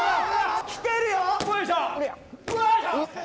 きてるよ！